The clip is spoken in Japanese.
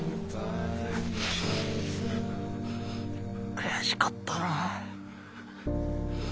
悔しかったなあ。